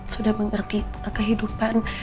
sudah mengerti tentang kehidupan